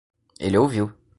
Ele ouviu